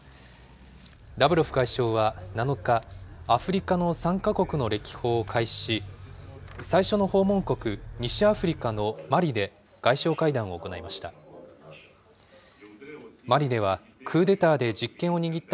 ラブロフ外相は７日、アフリカの３か国の歴訪を開始し、最初の訪問国、西アフリカのマリで外相会談を行いました。